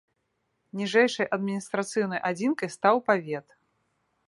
Ніжэйшай адміністрацыйнай адзінкай стаў павет.